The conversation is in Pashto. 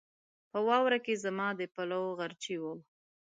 په واوره کې زما د پلوو غرچی و